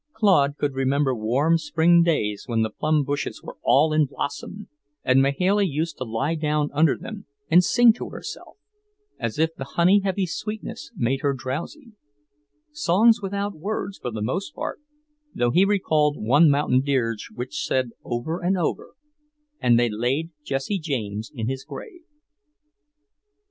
Claude could remember warm spring days when the plum bushes were all in blossom and Mahailey used to lie down under them and sing to herself, as if the honey heavy sweetness made her drowsy; songs without words, for the most part, though he recalled one mountain dirge which said over and over, "And they laid Jesse James in his grave."